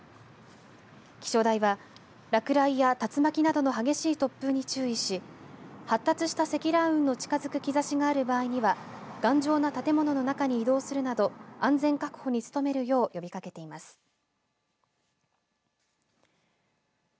気象台は、落雷や竜巻などの激しい突風に注意し発達した積乱雲の近づく兆しがある場合には頑丈な建物の中に移動するなど安全確保に努めるよう呼びかけています。